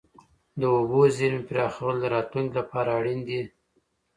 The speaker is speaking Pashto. د اوبو زیرمې پراخول د راتلونکي لپاره اړین دي.